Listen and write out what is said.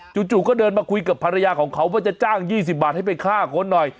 จู่ก็เดินมาคุยกับภรรยาของเขาว่าจะจ้าง๒๐บาทให้ไปฆ่าคนหน่อย